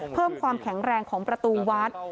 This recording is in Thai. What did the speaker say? เพิ่มความแข็งแรงของประตูวัด